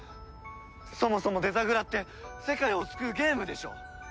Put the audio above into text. そもそもデザグラって世界を救うゲームでしょ！